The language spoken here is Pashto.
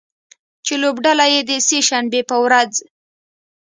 چې لوبډله یې د سې شنبې په ورځ